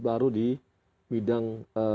baru di bidang